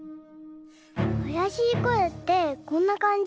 あやしいこえってこんなかんじ？